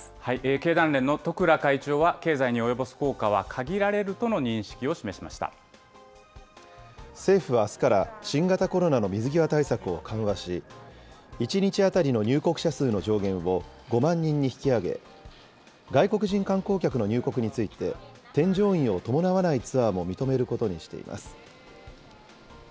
経団連の十倉会長は、経済に及ぼす効果は限られるとの認識を政府はあすから新型コロナの水際対策を緩和し、１日当たりの入国者数の上限を５万人に引き上げ、外国人観光客の入国について、添乗員を伴わないツアーも認めることにしています。